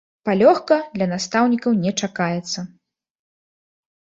Палёгка для настаўнікаў не чакаецца.